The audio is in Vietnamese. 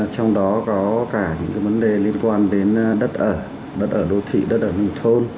trong đó có cả những vấn đề liên quan đến đất ở đất ở đô thị đất ở nông thôn